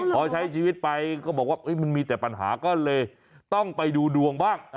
พอใช้ชีวิตไปก็บอกว่ามันมีแต่ปัญหาก็เลยต้องไปดูดวงบ้าง